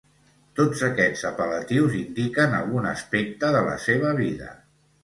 Tots aquests apel·latius indiquen algun aspecte de la seva vida.